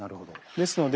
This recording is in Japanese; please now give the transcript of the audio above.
ですので